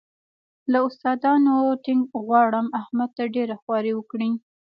له استادانو ټینګ غواړم احمد ته ډېره خواري وکړي.